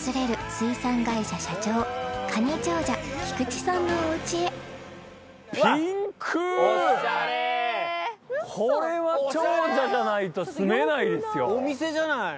水産会社社長カニ長者菊地さんのおうちへこれは長者じゃないと住めないですよ。